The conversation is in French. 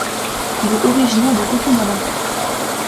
Il est originaire du Guatemala.